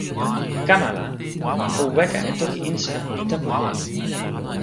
kama la, o weka e toki insa lon tenpo lili.